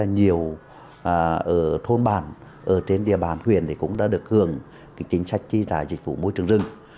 nhiều ở thôn bản ở trên địa bàn huyện cũng đã được hưởng chính sách tri trả dịch vụ môi trường rừng